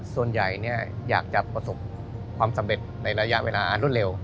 ส่วนใหญ่อยากจะประสบความสำเร็จในระยะเวลาอันรวดเร็ว